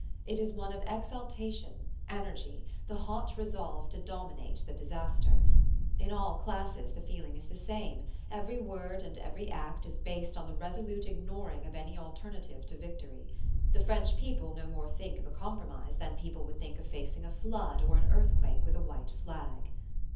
It is one of exaltation, energy, the hot resolve to dominate the disaster. In all classes the feeling is the same: every word and every act is based on the resolute ignoring of any alternative to victory. The French people no more think of a compromise than people would think of facing a flood or an earthquake with a white flag.